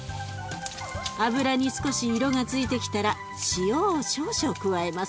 脂に少し色がついてきたら塩を少々加えます。